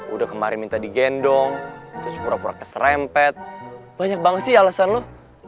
udah kemarin minta digendong terus pura pura keserempet banyak banget sih alasan lo